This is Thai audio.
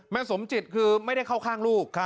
สมจิตคือไม่ได้เข้าข้างลูก